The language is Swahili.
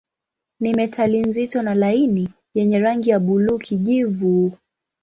Ni metali nzito na laini yenye rangi ya buluu-kijivu.